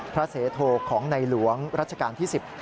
เสโทของในหลวงรัชกาลที่๑๐